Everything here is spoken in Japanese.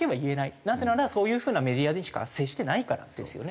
なぜならそういう風なメディアにしか接してないからですよね。